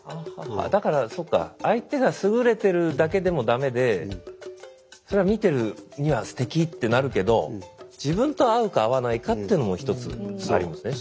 だからそっか相手が優れてるだけでも駄目でそれは見てるにはすてきってなるけど自分と合うか合わないかってのも一つありますね。